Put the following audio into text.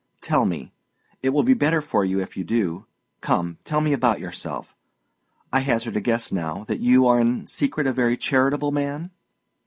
Tell me. It will be better for you if you do. Come, tell me about yourself. I hazard a guess now, that you are in secret a very charitable man."